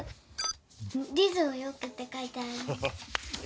「リズムよく」ってかいてある。